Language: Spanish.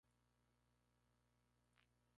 Los candidatos deben amar al país China y a Hong Kong.